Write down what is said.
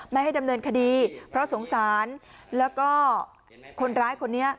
ไม่ให้ดำเนินคดีเพราะสงสารแล้วก็คนร้ายคนนี้